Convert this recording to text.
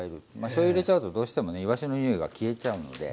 しょうゆ入れちゃうとどうしてもねいわしのにおいが消えちゃうので。